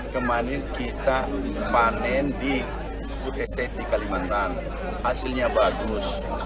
kemarin kita panen di bud estate di kalimantan hasilnya bagus